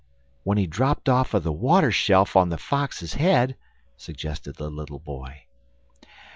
"When he dropped off of the water shelf on the Fox's head," suggested the little boy.